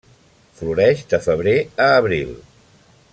Floreix de febrer a abril.